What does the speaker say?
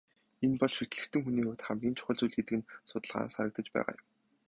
Энэ бол шүтлэгтэн хүний хувьд хамгийн чухал зүйл гэдэг нь судалгаанаас харагдаж байгаа юм.